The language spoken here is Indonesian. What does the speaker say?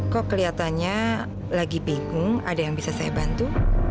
kok kelihatannya lagi bingung ada yang bisa saya bantu